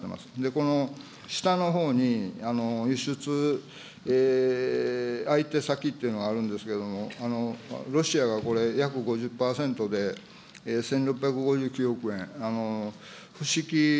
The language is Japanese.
この下のほうに、輸出相手先というのがあるんですけれども、ロシアがこれ、約５０％で、１６５９億円、ふしき